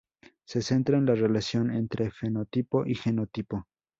Se centra en la relación entre fenotipo y genotipo.